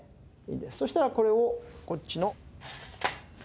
そしたらこれをこっちの。